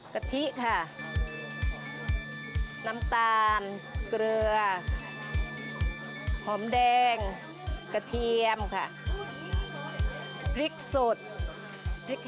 keti nantan krua omdeng ketiam beriksud berikher